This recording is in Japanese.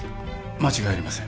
間違いありません